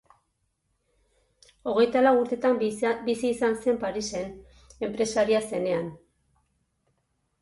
Hogeita lau urtetan bizi izan zen Parisen, enpresaria zenean.